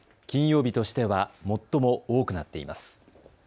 金曜日としては最も多くなっています。